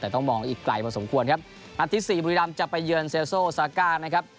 แต่ต้องมองอีกไกลพอสมควรครับนัดที่สี่บุรีรำจะไปเยือนเซโซซาก้านะครับ